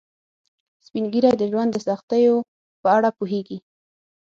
سپین ږیری د ژوند د سختیو په اړه پوهیږي